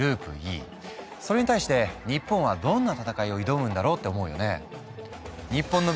それに対して日本はどんな戦いを挑むんだろうって思うよね。